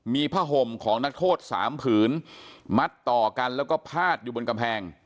มีผ้าห่มของนักโทษ๓ผืนมัดต่อกันแล้วก็พาดอยู่บนกำแพง